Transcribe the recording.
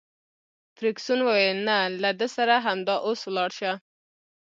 فرګوسن وویل: نه، له ده سره همدا اوس ولاړه شه.